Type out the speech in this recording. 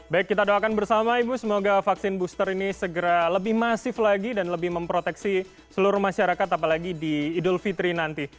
baik kita doakan bersama ibu semoga vaksin booster ini segera lebih masif lagi dan lebih memproteksi seluruh masyarakat apalagi di idul fitri nanti